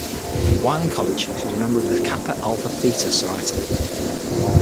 While in college, she was a member of the Kappa Alpha Theta sorority.